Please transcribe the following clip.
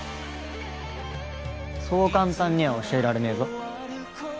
そう簡単には教えられねえぞ。